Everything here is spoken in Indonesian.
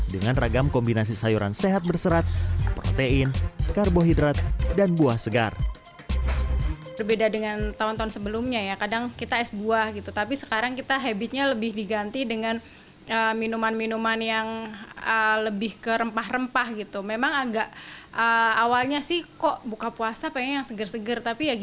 dengan ragam kombinasi sayuran sehat berserat protein karbohidrat dan buah segar